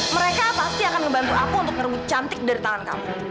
mereka pasti akan membantu aku untuk ngerebut cantik dari tangan kamu